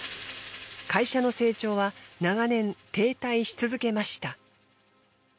会社の成長は長年停滞し続けました。